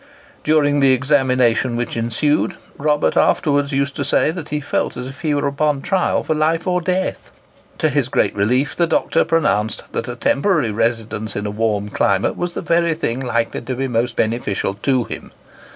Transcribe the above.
During the examination which ensued, Robert afterwards used to say that he felt as if he were upon trial for life or death. To his great relief, the doctor pronounced that a temporary residence in a warm climate was the very thing likely to be most beneficial to him.